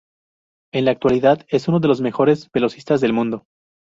En la actualidad es una de las mejores velocistas del mundo.